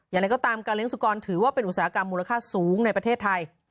อย่างไรก็ตามการเลี้ยสุกรถือว่าเป็นอุตสาหกรรมมูลค่าสูงในประเทศไทย